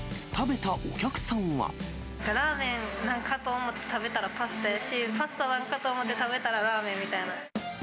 ラーメンかと思って食べたらパスタやし、パスタだったと思って食べたらラーメンみたいな。